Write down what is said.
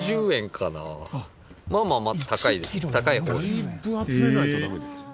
だいぶ集めないとダメですね。